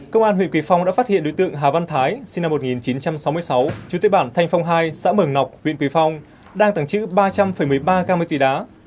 công an huyện quỳ phong đã phát hiện đối tượng hà văn thái sinh năm một nghìn chín trăm sáu mươi sáu chú tế bản thanh phong hai xã mường nọc huyện quỳ phong đang tảng chữ ba trăm một mươi ba viên ma túy đá